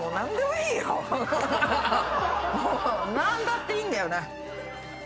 もう何だっていいんだよな。